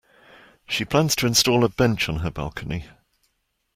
She plans to install a bench on her balcony.